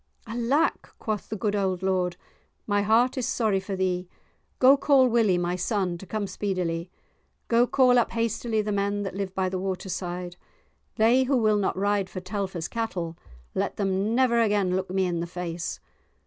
"Alack," quoth the good old lord, "my heart is sorry for thee; go call Willie, my son, to come speedily. Go call up hastily the men that live by the waterside. They who will not ride for Telfer's cattle, let them never again look me in the face.